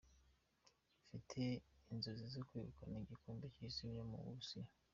Mfite inzozi zo kwegukana igikombe cy’isi cyo mu Burusiya.